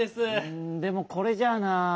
んでもこれじゃあなぁ。